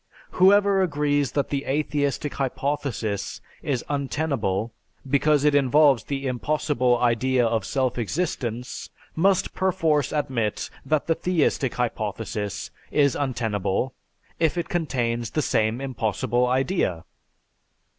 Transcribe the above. Whoever agrees that the atheistic hypothesis is untenable because it involves the impossible idea of self existence, must perforce admit that the theistic hypothesis is untenable if it contains the same impossible idea....